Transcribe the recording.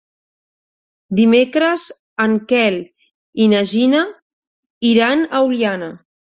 Dimecres en Quel i na Gina iran a Oliana.